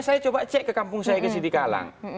saya coba cek ke kampung saya ke sidi kalang